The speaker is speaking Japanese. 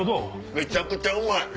めちゃくちゃうまい！